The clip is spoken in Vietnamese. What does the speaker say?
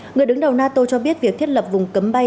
người đứng đầu nato cho biết việc thiết lập vùng cấm bay